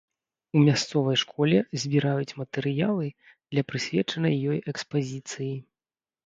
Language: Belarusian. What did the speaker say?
У мясцовай школе збіраюць матэрыялы для прысвечанай ёй экспазіцыі.